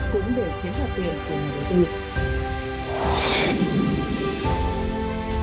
cũng để chiếm hạt tiền của người đầu tiên